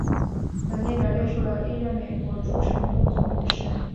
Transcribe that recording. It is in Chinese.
本列表列出了历任美国驻成都总领事。